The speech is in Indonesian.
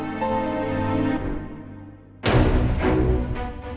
dia juga diadopsi sama keluarga alfahri